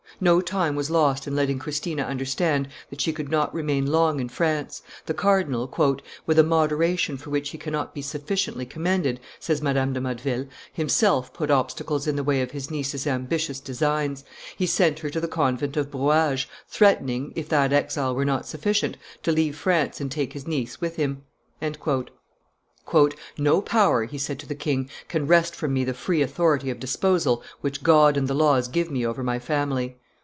No time was lost in letting Christina understand that she could not remain long in France: the cardinal, "with a moderation for which he cannot be sufficiently commended," says Madame de Motteville, "himself put obstacles in the way of his niece's ambitious designs; he sent her to the convent of Brouage, threatening, if that exile were not sufficient, to leave France and take his niece with him." "No power," he said to the king, "can wrest from me the free authority of disposal which God and the laws give me over my family."